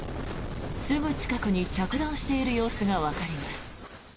すぐ近くに着弾している様子がわかります。